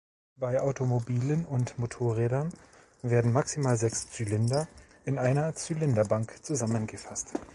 Bei Automobilen und Motorrädern werden maximal sechs Zylinder in einer Zylinderbank zusammengefasst.